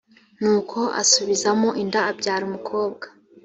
nuko asubizamo inda abyara umukobwa